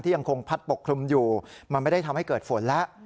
ยังคงพัดปกคลุมอยู่มันไม่ได้ทำให้เกิดฝนแล้ว